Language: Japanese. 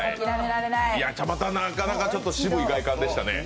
また、なかなか渋い外観でしたね。